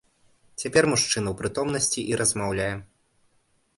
Цяпер мужчына ў прытомнасці і размаўляе.